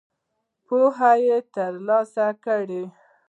پوهه تر لاسه کړئ